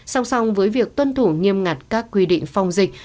song song với việc tuân thủ nghiêm ngặt các quy định phòng dịch